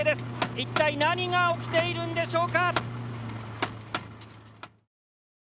一体何が起きているんでしょうか？